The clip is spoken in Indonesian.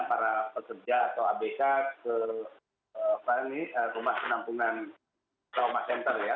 para pekerja atau abk ke rumah penampungan trauma center ya